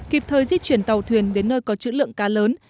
kịp thời di chuyển tàu thuyền đến nơi có chữ lượng cá lớn